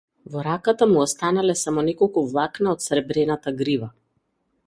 Во раката му останале само неколку влакна од сребрената грива.